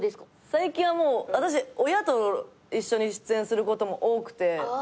最近はもう私親と一緒に出演することも多くて。